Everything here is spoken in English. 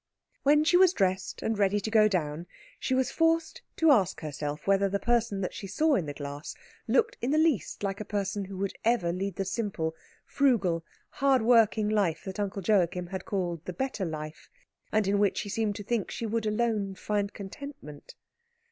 When she was dressed and ready to go down she was forced to ask herself whether the person that she saw in the glass looked in the least like a person who would ever lead the simple, frugal, hard working life that Uncle Joachim had called the better life, and in which he seemed to think she would alone find contentment.